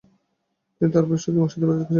তিনি তার ভাইয়ের সাথে মুর্শিদাবাদে ফিরে আসেন।